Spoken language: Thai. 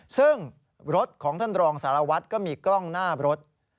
ซึ่งรถของท่านรองสารวัตรก็มีกล้องหน้ารถ